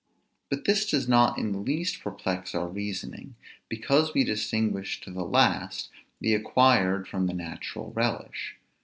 But this does not in the least perplex our reasoning; because we distinguish to the last the acquired from the natural relish.